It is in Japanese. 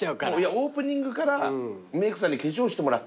オープニングからメークさんに化粧してもらって。